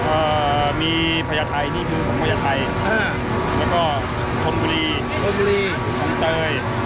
อ่ามีพยาทัยผมพยาทัยอ่าแล้วก็โคมบุรีโคมบุรีน้ำเตย